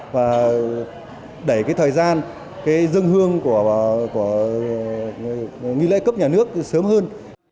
và đẩy cái thời gian cái dân hương của nghi lễ cấp nhà nước sớm hơn